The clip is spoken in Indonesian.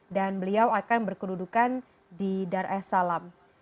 dan beliau akan berkedudukan di dar es salaam